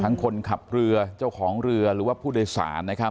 คนขับเรือเจ้าของเรือหรือว่าผู้โดยสารนะครับ